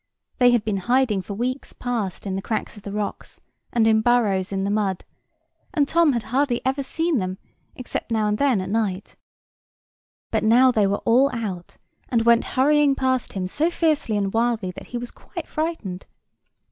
They had been hiding for weeks past in the cracks of the rocks, and in burrows in the mud; and Tom had hardly ever seen them, except now and then at night: but now they were all out, and went hurrying past him so fiercely and wildly that he was quite frightened.